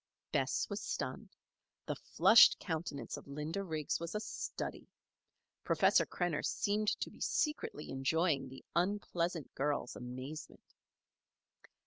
Bess was stunned. The flushed countenance of Linda Riggs was a study. Professor Krenner seemed to be secretly enjoying the unpleasant girl's amazement.